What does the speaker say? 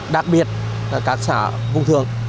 đặc biệt là các xã vùng thường